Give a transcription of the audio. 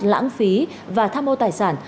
lãng phí và tham mô tài sản